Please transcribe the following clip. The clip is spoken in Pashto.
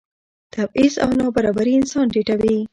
تبعیض او نابرابري انسان ټیټوي.